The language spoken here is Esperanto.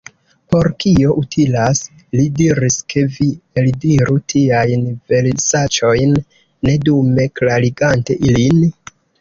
"Por kio utilas," li diris, "ke vi eldiru tiajn versaĉojn, ne dume klarigante ilin?